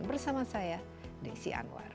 bersama saya desi anwar